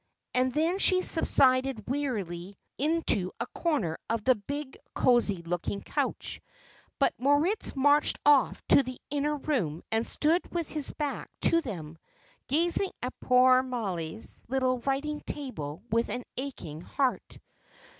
And then she subsided wearily into a corner of the big, cosy looking couch; but Moritz marched off to the inner room and stood with his back to them, gazing at poor Mollie's little writing table with an aching heart.